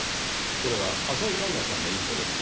これは浅井環那さんのインコですね。